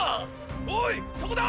おいそこだ！！